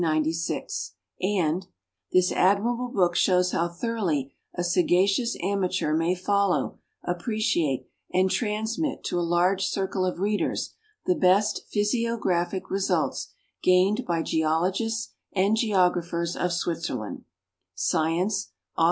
1, 1896); and "This admirable book shows bow thoroughly a sagacious amateur may follow, appreciate, and transmit to a large circle of readers the best physiograpbic results gained by geologists and geographers of Switzei'land " {Science, Aug.